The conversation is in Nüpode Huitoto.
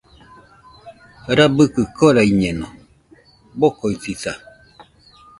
Rabɨkɨ koraɨñeno, bokoɨsisa.